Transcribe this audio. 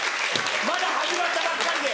まだ始まったばっかりで。